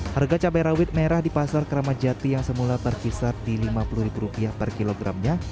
harga cabai rawit merah di pasar kerama jati yang semula terpisah di lima puluh rupiah per kilogramnya